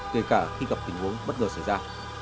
kể cả khi gặp tình huống bất ngờ xảy ra